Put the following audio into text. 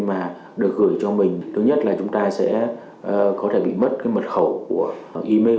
mà được gửi cho mình thứ nhất là chúng ta sẽ có thể bị mất cái mật khẩu của email